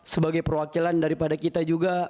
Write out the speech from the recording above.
sebagai perwakilan daripada kita juga